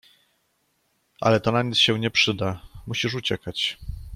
"Ale to na nic się nie przyda... musisz uciekać."